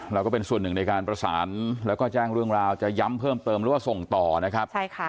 ก็เป็นส่วนหนึ่งในการประสานแล้วก็แจ้งเรื่องราวจะย้ำเพิ่มเติมหรือว่าส่งต่อนะครับ